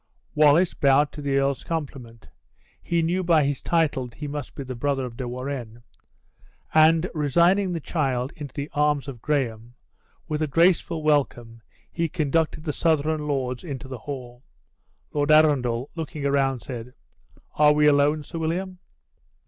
Wallace bowed to the earl's compliment (he knew by his title that he must be the brother of De Warenne), and, resigning the child into the arms of Graham, with a graceful welcome he conducted the Southron lords into the hall. Lord Arundel, looking around, said, "Are we alone, Sir William?"